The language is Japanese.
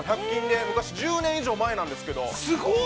１００均で、昔１０年以上、前なんですけれども。